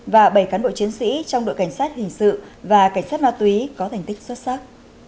và bảy cán bộ chiến sĩ trong đội cảnh sát hình sự và cảnh sát ma túy có thành tích xuất sắc